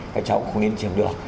các cháu cũng không yên chìm được